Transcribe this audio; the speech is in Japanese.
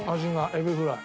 エビフライ。